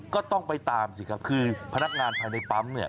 ก็ต้องไปตามสิครับคือพนักงานภายในปั๊มเนี่ย